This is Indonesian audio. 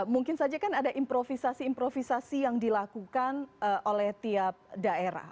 mungkin saja kan ada improvisasi improvisasi yang dilakukan oleh tiap daerah